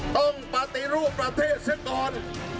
ต้องปฏิรูปประเทศก่อน